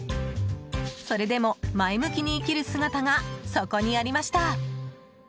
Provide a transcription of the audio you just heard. それでも前向きに生きる姿がそこにありました。